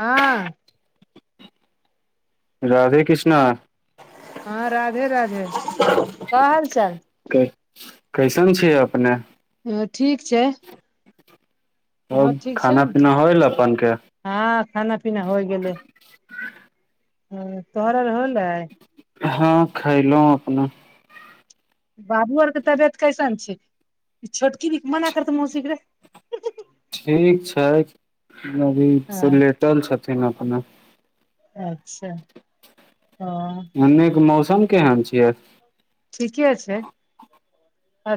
हँ राधे कृष्णा हँ राधे राधे का हाल चाल क कैसन छि अपने ह ठीक छै और तोहर ठीक छै खाना ने पीना होइल अपन के हँ खाना पीना होइ गेलै हूँ तोहर अगर होले [unintelligible] हँ खैलहुँ अपना बाबू आरके तबियत कैसन छै ई छोटकी मना करत मौसीके रे ठीक छै अभी से हँ लेटल छथिन अपना अच्छा हँ एन्ने के मौसम केहन छियै [unintelligible] ठीके छै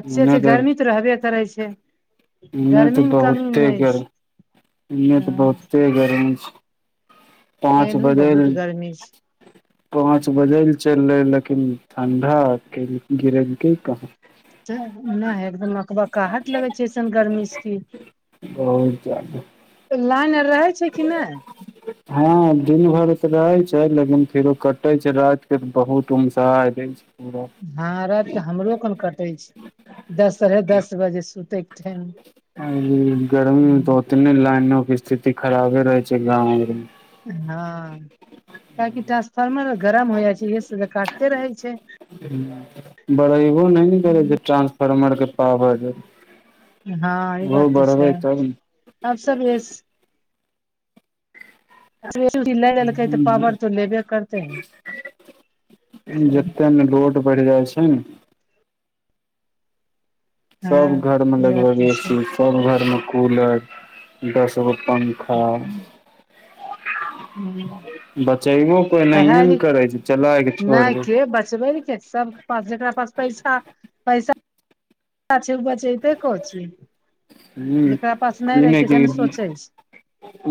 अच्छे छै गर्मी तऽ रहबे करै छै एन्ने गर्मी तऽ मे कमी बहुते नहि छै गर्म एन्ने तऽ हँ बहुते गर्मी छै पाँच एनहु बजैल बहुत गर्मी छै पाँच बजे ल चल रहे लेकिन ठंडा गिरेलकै कहाँ त एकदम अकबकाहट लगै छै अइसन गर्मीसँ की बहुत जायदा लाइन आर रहै छै कि नहि हँ दिन भरि तऽ रहै छै लेकिन फेरो कटै छै रात के बहुत ऊमसा आ जा छै पूरा हँ रतिकऽ हमरो कन कटे छै दस साढ़े दस बजे सुतै के ठेम गर्मीमे तँ ओतए लाइनोक स्थिति खराबे रहैत छै। गावमे हँ कियाकि ट्रांसफार्मर गरम हो जाइ छै इेसते काटते रहै छै हू बड़बहो नहि ने करै छै ट्रान्सफार्मरक पावर। हँ, ई ओहो बात तँ छै। बढ़बे तब आब सभ। ले लेलकै तँ पावर तऽ लेबे करतै। [unintelligible] बढ़ि छै ने। सब घर में ई बात लगभग तऽ ए छै सी सब घर में कूलर दसगो पं हँ [unintelligible] हू नहिये ने पहाड़ि करै छै चला के छोड़ नहि दे के बचबै के सब प जेकरा पास पैसा पैसा चा छै बचैतै, कोठी छै ह जकरा पास नहि ई रहै छै से ने कि सोचैत छै।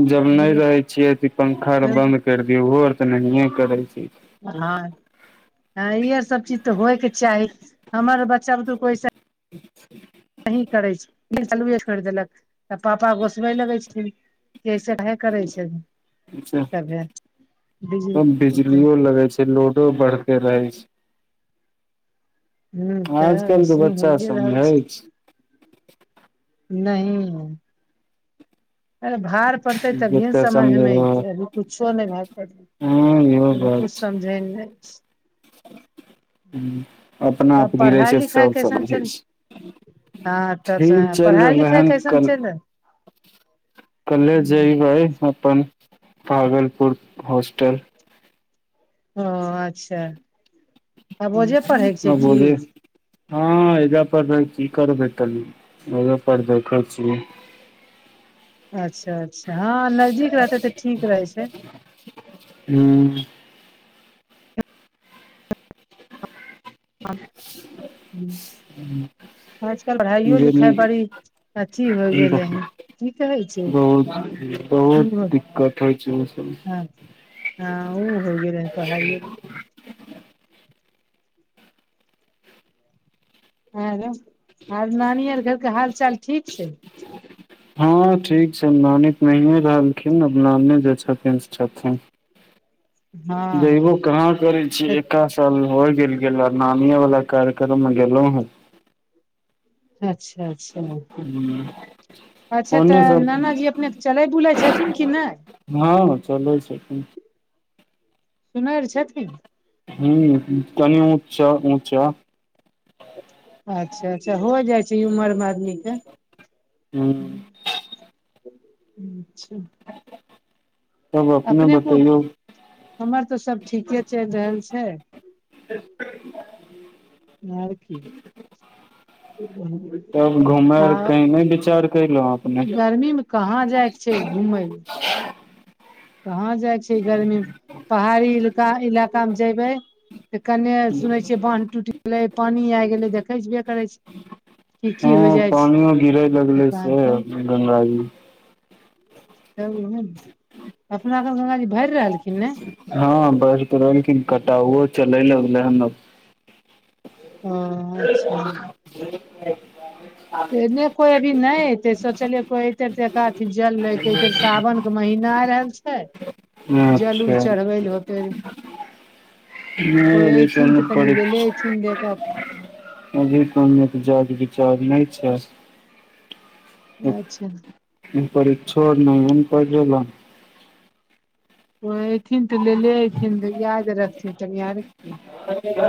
जब नहि रहै छियै तऽ पंखा आ छै बन्द कर दियौ ओहो आर तऽ नहिए करै छै हँ आ ई सब चीज तऽ होयके चाही हमर बच्चा बुतू कोसा सहि करै छै चालुए कैर देलक तऽ पापा गोसबे लगै छथिन जैसे वएहे करै छै। जा सभे बिजी त बिजलियो लगै छै लोडो बढ़ते रहै छै ह तऽ आजकल के ऐसे होइए बच्चाभमे रहल छै अछि नहि अरे भार पड़तै तभिए ने जते समझ मे समझेबो अतै अभी कुछो नहि भाग पड़तै हँ इहो बात कुछ समझै नहि ह अपना तब आपनि रहै पढ़ाइ छै लिखाइ सब कैसन समझै चल छै हँ तब ठीक चलि पढ़ाइ रहलै लिखाइ हन कैसन कल चलि रहल? कले जेइहै अपन भागलपुर होस्टल ओ अच्छा। आब ओजे पढ़ैके छै ह बो [unintelligible] लियए की हँ, एही [unintelligible] एजमे की करबै, तै देखैत छियै। अच्छा अच्छा हँ नजदीक रहतै तऽ ठीक रहै छै। ऊ आ ह। [unintelligible] जे बड़ी निक। अथी होइ गेलै हन [unintelligible] की कहै छै [unintelligible] बहुत बहुत ओ दिक्कत [unintelligible] हं उ हो गेलै त हये गेल आरो आर नानी आर घरके हाल चाल ठीक छै हँ ठीक छै नानि त नहिए रहलखिन आब नानी जे छथिन जे छथिन हँ जायबो हँ कहाँ गेल छियै एखा चल हो गेल गेल नानिये वला कार्यक्रम गेलहु ह अच्छा अच्छा हू अच्छा तऽ नानाजी अपने चलै बुलै छथिन कि नहि हँ, चलै छथीन। सुनैर छथिन। हूं तनी ऊँच्चा ऊँचा अच्छा-अच्छा होइ जाइ छै ई उमरमे आदमीके। हूँ अच्छा। तब अपने अपनेक बतैयौ हमर तऽ सब ठीके चलि रहल छै [inaudible] आ की। [unintelligible] तब घूमय लेल आ कहीं विचार कएलहुँ अपने? ई गर्मी मे कहाँ जाए कऽ छै घूमय कहाँ जाइ छी? गर्मीमे पहाड़ी इलाका मे जेबै। तऽ कन्ने सुनै छियै जे बाँध टूटि गेलै, पानि आबि गेलै देखै छबे करै छै। की हँ की होइ जाइ छै पानियो गिरे लगले से तब तब गंगाजी तब अपना क गङ्गाजी भरि रहलखिन ने हँ बस रहल क कटाउओ चले लगले हन ह अच्छा। [inaudible] नहि, कोइ एबही नहि। तै सोचलियै जे कोइ एतहि। अथी जल लैके इतर सावन के महीना आ रहल छै जल-उल अच्छा चढ़बै ल होतै। नहि कोइ अभी एतथिन कोनो त तनी लेने परीक्ष एयथिन एहि जग अभी कोन तऽ जा [unintelligible] ज बिचाज नहि छै अच्छा। परीक्षाक ओर गाममे। [unintelligible] [unintelligible] ओथिन तँ लऽ लैलेथिन, याद रखथिन तनि यार। ह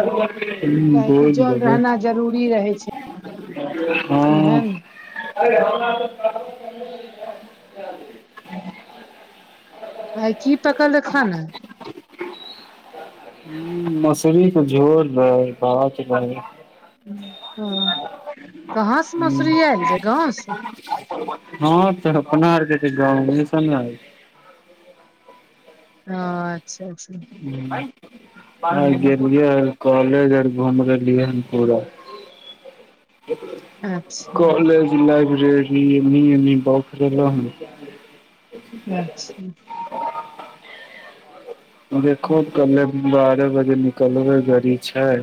कि बोल जल बबै रहना जरूरी रहै [unintelligible] छै हँ इहे ने [unintelligible] आइ की पकल खाना मसलीके झोर रहै बात रहै। ह ह कहाँ से मसुररी आल रहै गाँव से हँ, तँ अपना आर के गाम दिसन छै। ह अच्छा अच्छा आइ हँ गेलिए। [unintelligible] [unintelligible] कॉलेज आर घूमि रहल हन पूरा। अच्छा कॉलज लाइब्रेरी एनी एनी बौखलेलु हन। [unintelligible] [unintelligible] अच्छा। देखो कलेब। बारह बजे निकलबाक गड़ी छै।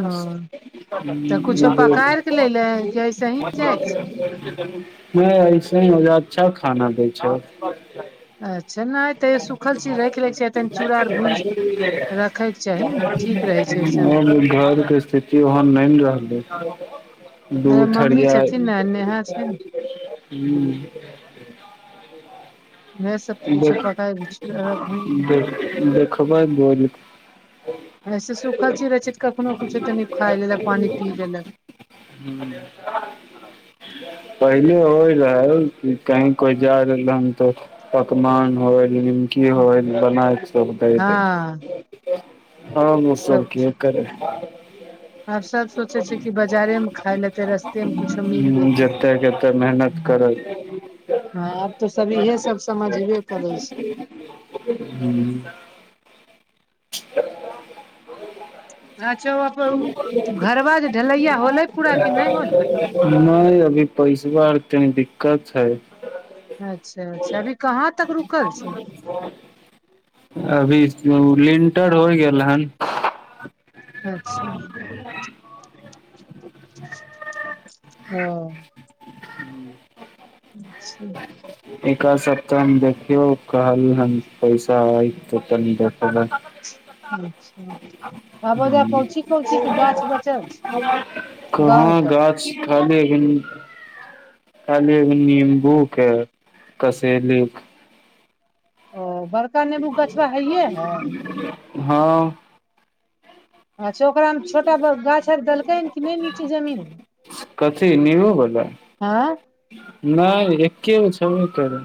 हँ तऽ कुछो पकाइर के लैले कि ऐसे ही जायके छै नहि ऐसे ही हो अच्छा खाना दैत छै अच्छा नहि तैयो सूखल चीज राखि लैके छै तनि चूड़ा आर भूजि कऽ रखयके चाही ने ठीक रहै छै ओहिसँ [unintelligible] घरक स्थिति ओहन नहि रहलै। [unintelligible] दूध मम्मी ठहराय [unintelligible] छथिन ने नेहा छै ने [unintelligible] इएह सब कुछो पकाय देख भुजिया देख देखबैन बोइलकें एहन सुखल चीज रहैत छै तँ कखनो किछु तनि खा लेलक, पानि पी लेलक। ह्म पहिने होइ रहै, जँ कोनो जा रहल रहै तऽ। पकवान होय निमकी होय बनाय हँ आ मौसम सब कुछ के करि आब सब [unintelligible] सोचे छै कि बाजारे मे खाय लेते रस्ते मे कुछो मिल ह जेते जतेक कतेक मेहनत करज हँ, आब तँ सबे एसस। [inaudible] [inaudible] हू अच्छा घरबा जे ढलैया होलै पूरा कि नहि होलै नहि अभी पैसबा आर तनी दिक्कत छै अच्छा-अच्छा, एखन कहाँ तक रुकल छै? अभी लिंटर होय गेल हन अच्छा ह [unintelligible] ओ [unintelligible] [unintelligible] ह [unintelligible] अच्छा एकाज सब सप्ताहमे देखियौ कहल ह पैसा आय त तनी देख आ बजा कहुची कहुची गाछ बचलछै आ [unintelligible] [unintelligible] कहाँ गाछ खाली हीं नींबू के सैनिक [unintelligible] [unintelligible] ओ बर हँ अच्छा ओकरा मे छोटा गाछ आर देलकै हन कि नहि नीचे जमीन कथी नीबू बाला आँय नहि एके गो छेबे करै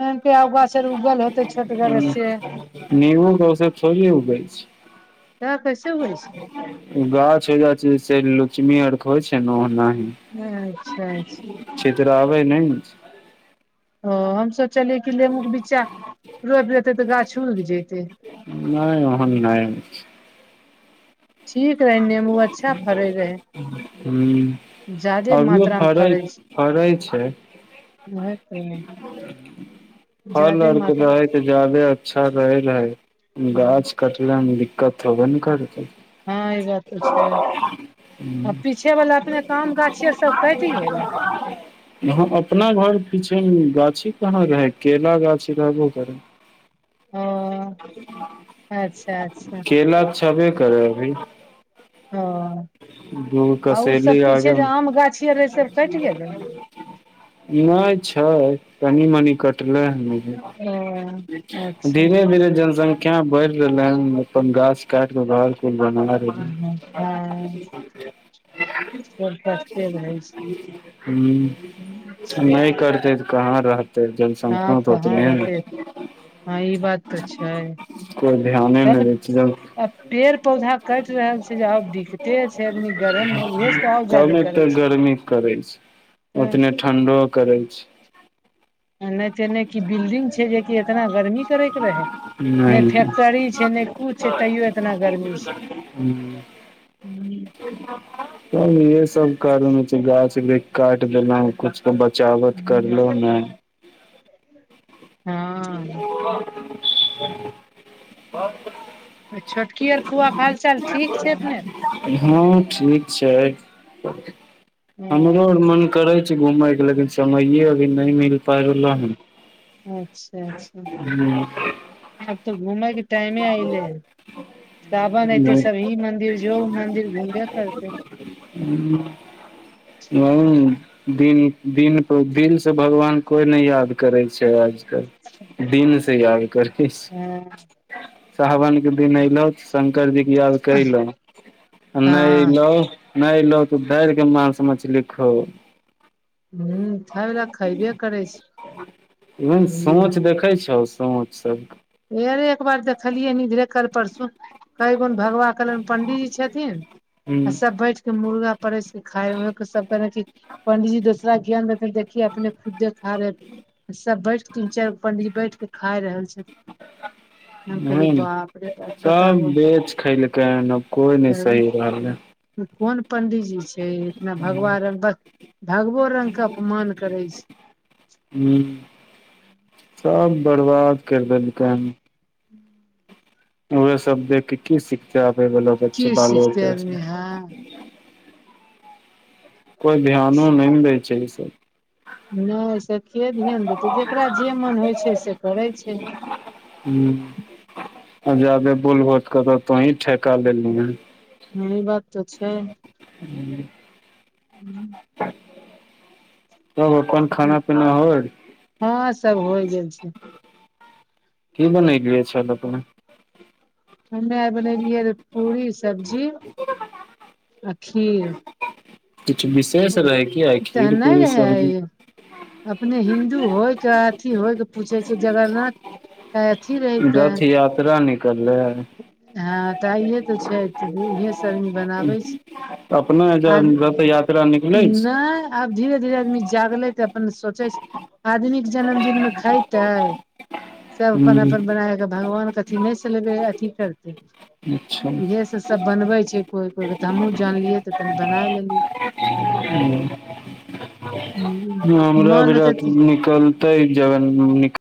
न केगो गाछ अर उगल होते [unintelligible] ह नेवो दौसथोड़ ए गै छै त कसे होइ छै गाछ एजा छै से लोच्मी आरके होइ छै ने ओना ही अच्छा अच्छा इतराबै नै ने छी ह हमसोचलियै कि नेेमू के बिच्चा रोपि देते तऽ गाछ उगि जते नहि ओहन नहि हो ठीक रहै नेमू अच्छा फरे रहै हूं जादे अभियो मात्रा मे फर फड़ै छै है आ त [unintelligible] फल आर के रहे ते जादे अच्छा रहे रहे गाछ कटले मे कथबे ने करै छै हँ ई बात तऽ छै आ पीछे वला अपने आम गाछी आ सब कैटय गेलै य अपना घर पीछे गाछी कहाँ रहै केला गाछी रहबो करे अ [unintelligible] केला छेबे करै अभी ह दूगो आ कसेली ओसभ पीछे आगे जे आम गाछी आर रहै से कैट गेलै नहि छै तनी मनी कट लै है अच्छा धीरे धीरे जनसंख् या बढ़ रहलै हन अपन घास काट केे घर कूल बना रहल हँसते रहै छै [unintelligible] ह नहि करते तऽ कहाँ रहतै त हँ जनसंख्या त होत कहाँ रहते ने हँ ई बात तऽ छै कोइ ध्याने नहि तेने दै छै जब आ पेड़ पौधा कटि रहल छै जे आब दिक जादे तमे करै तऽ छै गर्मी करै छै उतने ठण्ढो करै छै नहि ते नहि कि बिल्डिंग छै जेकि एतना गर्मी करे तै रहै नहि फैक्टरी छै नहि कुछ तैयो एतना गर्मी छै हू च इहे सब कारण हो छै गाछ काटि लेहु कुछ त बचावट करलो छै ने [inaudible] [inaudible] ह हँ आ [unintelligible] छोटकी आर फुआके हालचाल ठीक छै अपने हँ ठीक छै हमरो आर ह मन करै छै घुमै लेकिन समय अी नहि मिल पाए रहलौ हन अच्छा अच्छा आब तऽ घूमयके टाइमे आइले साबन एते सब ई मंदिर जो ओ मंदिर घुमबे करतै ह दिन [unintelligible] दिन पर दिन से भगवान कोई नहि याद करै छै आजकल दिन से याद करके [unintelligible] हँ साावन के दिन एलौ ने शंकर जी याद कइलऽ आ नहि हँ अयलऽ नहि अयलो तू धैरके मांस मछली खो ह खाय ल खयबे करै छै इ अभियो सोंच देखै छौ सोंच सब अरे एक बार देखलियै इधरे कल परसु कैगेन भगवान कहलियनि पंडीजी छथिन हूँ आ सब बैठ के मुर्गा परसि के खाय रहै सब केने [unintelligible] पंडीजी दोसरा ज्ञान देथिन देखही अपने खुदे खा रहल सब बैठ के तीन चारि गो पंडीजी बैठ के खाय रहल छथिन [inaudible] हम कहलियै हूंम्म बाप रे बाप सब बताबऽ बेच खैलकैहन अब कोइ नहि सही रहलै उ कोन पंडीजी छै इतना भगवा [unintelligible] बस भगवो रंग के अपमान करै छै हूंम्म सब बर्बाद करि देलकै हन [inaudible] उहेसभ देख कऽ की सिखते आबय बला बच्चा की बालो सिखते आदमी बच्चासभ हँ कोइ ध्यानो नहि ने दैय छै ई सब नहि से के ध्यान देतै जेकरा जे मन होइ छै से करै छै हूंम्म आ जादे बोलबहो तऽ कहत तोंही ठेका लेलहीं हें हँ ई बात तऽ छै तब अपन खाना पीना होएल हँ सब होइ गेल छै की बनैलियै छल अपने हम्मे आइ बनेलियै रहे पुरी सब्जी आ खीर किछु बिस तऽ नहि रहै आइ अपने हिन्दू होइ के अथी होइ के पूछे छियै जगरनाथ आइ अथी रहै रथ यात्रा निक कललै हँ तऽ आइये तऽ छै तऽ उहे सबी बनाबै छियै। तऽ अपना एजा रथ यात्रा निकलै छै नहि आब धीरे धीरे आदमी जागलै तऽ अपन सोचै छै आदमी के जन्मदिन मे खाइ तै सब अपन हूँ अपन बनाबे के भगवान के अथी नहि [unintelligible] सलेबे अथी करै अच्छा इहे से सब बनबै छै कोइ कोइ के तऽ हमहूँ जानलियै तऽ तनी बनाय लेलियै हूंम्म हमरा मोन अभी होतै रात तऽ मे निक कलतै जगन [unintelligible] नीक